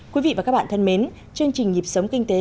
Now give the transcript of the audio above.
quý vị và các bạn thân mến chương trình nhịp sống kinh tế